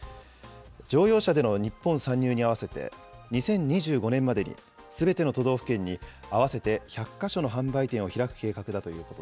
乗用車での日本参入に合わせて、２０２５年までにすべての都道府県に合わせて１００か所の販売店